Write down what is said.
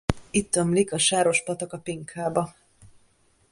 Itt ömlik a Sáros patak a Pinkába.